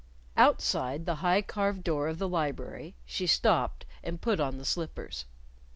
Outside the high carved door of the library she stopped and put on the slippers.